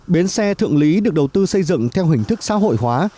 bến xe thượng lý được đầu tư xây dựng theo hình thức xã hội hóa